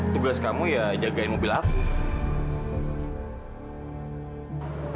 tugas kamu ya jagain mobil aku